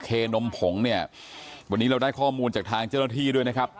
เคนมผงเนี่ยวันนี้เราได้ข้อมูลจากทางเจ้าหน้าที่ด้วยนะครับ